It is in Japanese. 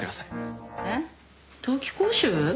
えっ？冬期講習？